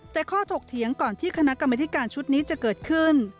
แต่ข้อถกเถียงก่อนที่คณะกรรมธิการชุดนี้จะเกิดขึ้น